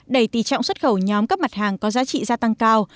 đẩy tỷ trọng xuất khẩu nhóm các mặt hàng có giá trị gia tăng cao